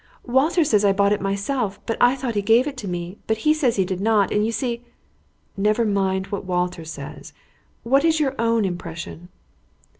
"Walter says I bought it myself, but I thought he gave it to me, but he says he did not, and you see " "Never mind what Walter says. What is your own impression?"